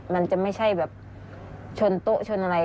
มันจะไม่ใช่แบบชนโต๊ะชนอะไร